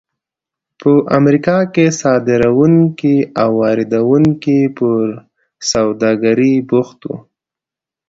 په امریکا کې صادروونکي او واردوونکي پر سوداګرۍ بوخت وو.